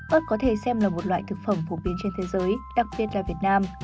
ớt có thể xem là một loại thực phẩm phổ biến trên thế giới đặc biệt là việt nam